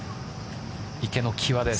池の際です。